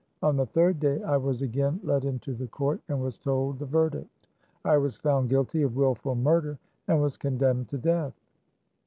On the third day I was again led into the court and was told the verdict : I was found guilty of willful murder, and was condemned to death.